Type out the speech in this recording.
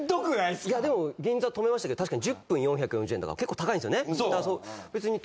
いやでも銀座停めましたけど確かに１０分４４０円とか結構高いんですよね。